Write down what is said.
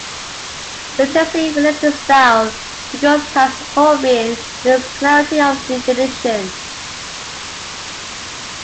Its intensely realistic style recalls Hans Holbein in its clarity of definition.